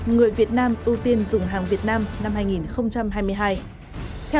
người việt nam ưu tiên du lịch